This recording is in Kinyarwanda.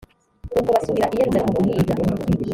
nuko basubira i yerusalemu guhiga.